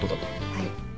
はい。